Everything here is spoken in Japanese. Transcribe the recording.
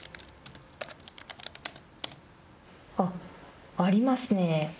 あ、ありますね。